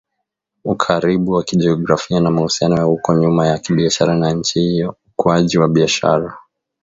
ukaribu wao kijografia na mahusiano ya huko nyuma ya kibiashara na nchi hiyo Ukuaji wa Biashara